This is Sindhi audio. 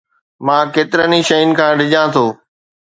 مان ڪيترن ئي شين کان ڊڄان ٿو